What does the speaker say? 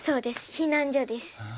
避難所です。